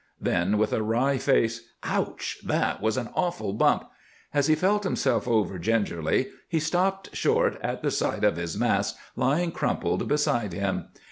Then, with a wry face: "Ouch! That was an awful bump." As he felt himself over gingerly he stopped short at the sight of his mask lying crumpled beside him.